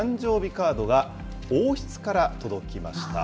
カードが、王室から届きました。